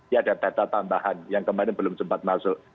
ya ada data tambahan yang kemarin belum sempat masuk